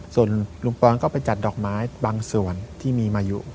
ส่วนลุงปอนก็ไปจัดดอกไม้บางส่วนที่มีมายุ